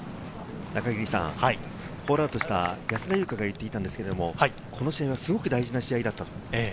ホールアウトした安田祐香が言っていたんですが、今週はすごく大事な試合だった。